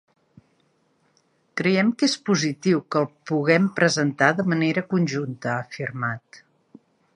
“Creiem que és positiu que el puguem presentar de manera conjunta”, ha afirmat.